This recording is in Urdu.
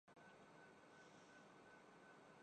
اور وہ اپنا جہاں آباد کر سکتی ہے۔